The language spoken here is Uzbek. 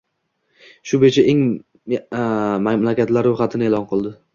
Shu boʻyicha eng mamlakatlar roʻyxatini eʼlon qildi